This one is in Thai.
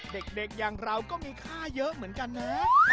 เด็กอย่างเราก็มีค่าเยอะเหมือนกันนะ